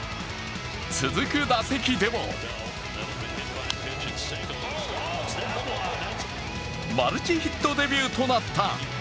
続く打席でもマルチヒットデビューとなった。